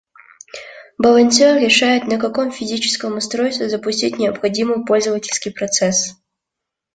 Балансер решает на каком физическом устройстве запустить необходимый пользовательский процесс